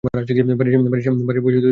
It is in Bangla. বাড়ির সামনে বসে হয়ত চেয়ারে দোল খাচ্ছে।